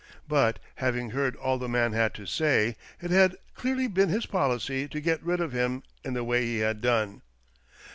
But, having heard all the man had to say, it had clearly been his policy to get rid of him in the way he had done.